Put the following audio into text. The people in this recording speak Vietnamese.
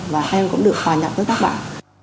và em cũng được hòa nhập với các bạn